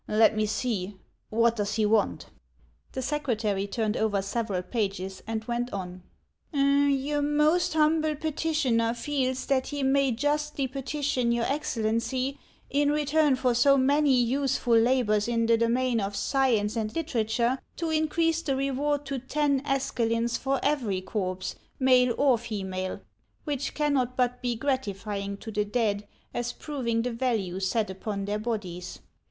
Let me see, — what does he want ?" The secretary turned over several pages, and went on :" Your most humble petitioner feels that he may justly petition your Excellency, in return for so many useful labors in the domain of science and literature, to in crease the reward to ten escalins for every corpse, male or female, which cannot but be gratifying to the dead, as proving the value set upon their bodies."